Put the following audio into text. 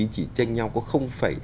chỉ tranh nhau có hai mươi năm